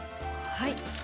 はい。